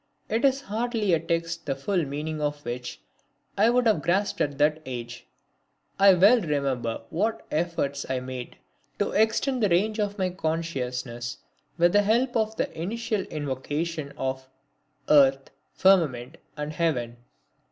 It is hardly a text the full meaning of which I could have grasped at that age. I well remember what efforts I made to extend the range of my consciousness with the help of the initial invocation of "Earth, firmament and heaven."